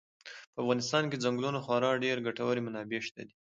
په افغانستان کې د ځنګلونو خورا ډېرې ګټورې منابع شته دي.